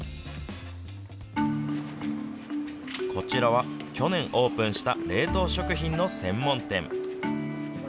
こちらは、去年オープンした冷凍食品の専門店。